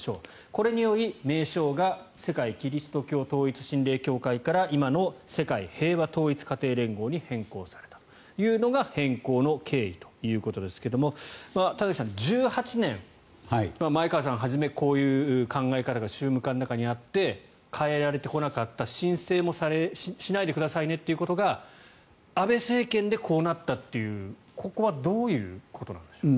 これによって名称が世界基督教統一神霊協会から今の世界平和統一家庭連合に変更されたというのが変更の経緯ということですが田崎さん、１８年前川さんは初めこういう考え方が宗務課の中にあって変えられてこなかった申請もしないでくださいねということが安倍政権でこうなったというここはどういうことなんでしょう。